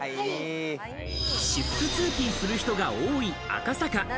私服で通勤する人が多い赤坂。